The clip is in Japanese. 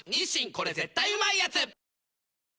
これ絶対うまいやつ」